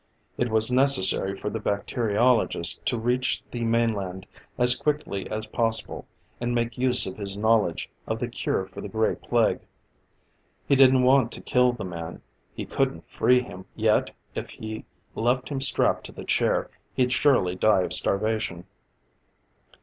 It was necessary for the bacteriologist to reach the mainland as quickly as possible, and make use of his knowledge of the cure for the Gray Plague. He didn't want to kill the man; he couldn't free him; yet if he left him strapped to the chair, he'd surely die of starvation.